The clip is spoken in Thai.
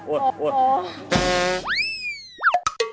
โอ่โอ